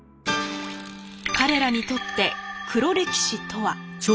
彼らにとって黒歴史とは？